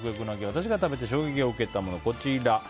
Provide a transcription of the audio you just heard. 私が食べて衝撃を受けたもの。